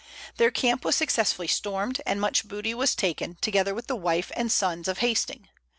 Their camp was successfully stormed, and much booty was taken, together with the wife and sons of Hasting.